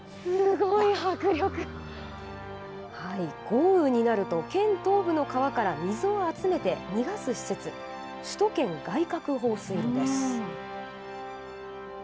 豪雨になると、県東部の川から水を集めて逃がす施設、首都圏外郭放水路です。